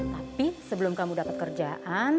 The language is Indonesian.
tapi sebelum kamu dapat kerjaan